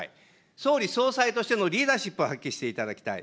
総理総裁としてのリーダーシップを発揮していただきたい。